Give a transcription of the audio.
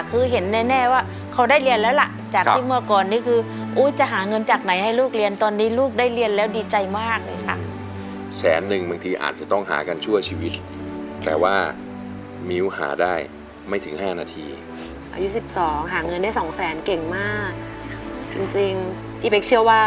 คือเห็นแน่ว่าเขาได้เรียนแล้วแหละ